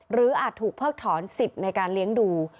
อาจถูกเพิกถอนสิทธิ์ในการเลี้ยงดู